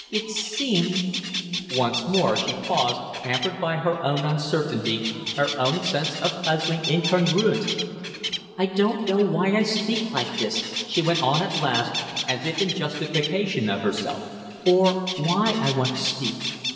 "It seemed " Once more she paused, hampered by her own uncertainty, her own sense of puzzling incongruity. "I don't know why I speak like this," she went on at last, as if in justification of herself, "or why I want to speak.